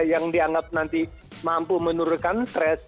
yang dianggap nanti mampu menurutkan stress